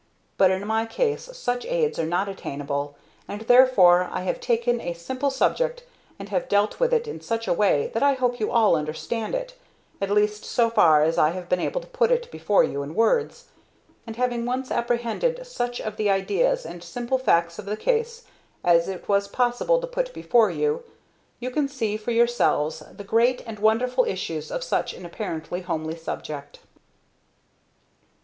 But in my case such aids are not attainable, and therefore I have taken a simple subject and have dealt with it in such a way that I hope you all understand it, at least so far as I have been able to put it before you in words; and having once apprehended such of the ideas and simple facts of the case as it was possible to put before you, you can see for yourselves the great and wonderful issues of such an apparently homely subject.